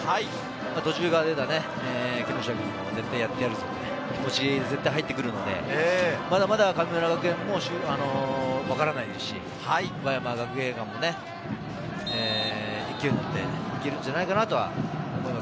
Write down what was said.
途中から出た木下君も絶対やってやるぞという気持ちで入ってくるので、まだ神村学園もわからないですし、岡山学芸館も勢いにのっていけるんじゃないかなと思います。